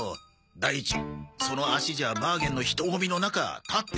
第一その足じゃバーゲンの人ごみの中立っていられないだろ。